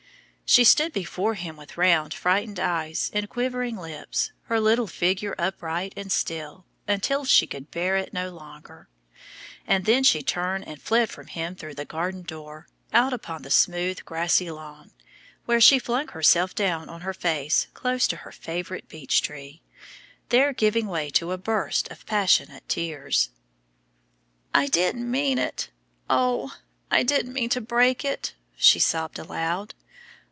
She stood before him with round, frightened eyes and quivering lips, her little figure upright and still, until she could bear it no longer; and then she turned and fled from him through the garden door out upon the smooth grassy lawn, where she flung herself down face foremost close to her favorite beech tree, there giving way to a burst of passionate tears. "I didn't mean it oh! I didn't mean to break it," she sobbed aloud.